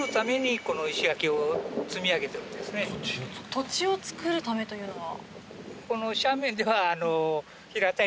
土地を作るためというのは？